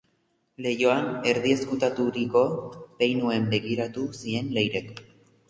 Lainoan erdi ezkutaturiko pinuei begiratu zien Leirek.